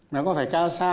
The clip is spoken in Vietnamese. nó có phải cao xa gì